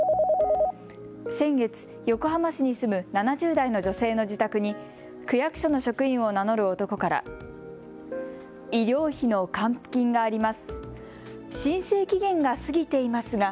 先月、横浜市に住む７０代の女性の自宅に区役所の職員を名乗る男から医療費の還付金があります。